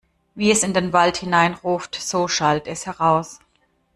Wie es in den Wald hineinruft, so schallt es heraus.